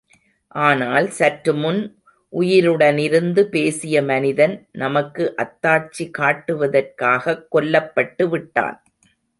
ஆனால், சற்றுமுன் உயிருடனிருந்து பேசிய மனிதன், நமக்கு அத்தாட்சி காட்டுவதற்காகக் கொல்லப்பட்டுவிட்டான்.